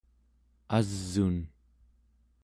as'un